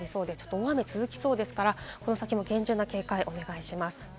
大雨が続きそうですから厳重な警戒をお願いします。